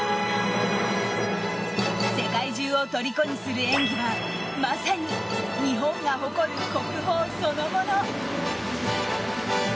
世界中をとりこにする演技はまさに日本が誇る国宝そのもの。